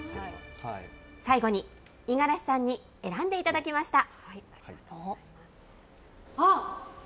最後に、五十嵐さんに選んでいただきました。